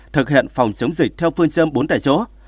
thực hiện phòng chống dịch theo phương châm bốn tại chỗ